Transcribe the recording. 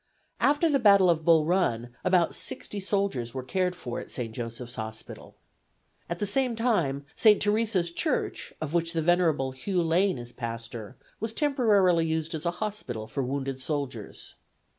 After the battle of Bull Run about sixty soldiers were cared for at St. Joseph's Hospital. At the same time St. Teresa's Church, of which the venerable Hugh Lane is pastor, was temporarily used as a hospital for wounded soldiers.